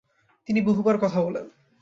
তিনি বহুবার কথা বলেন।